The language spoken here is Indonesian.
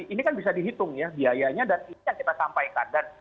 ini kan bisa dihitung ya biayanya dan ini yang kita sampaikan